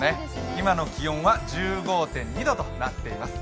今の気温は１５．２度となっています。